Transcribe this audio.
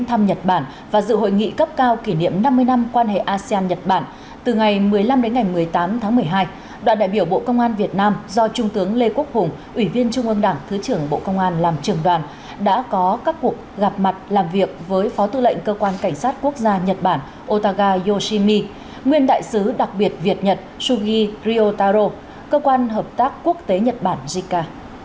thăm nhật bản và dự hội nghị cấp cao kỷ niệm năm mươi năm quan hệ asean nhật bản từ ngày một mươi năm đến ngày một mươi tám tháng một mươi hai đoàn đại biểu bộ công an việt nam do trung tướng lê quốc hùng ủy viên trung ương đảng thứ trưởng bộ công an làm trường đoàn đã có các cuộc gặp mặt làm việc với phó tư lệnh cơ quan cảnh sát quốc gia nhật bản otaga yoshimi nguyên đại sứ đặc biệt việt nhật shugi ryotaro cơ quan hợp tác quốc tế nhật bản jica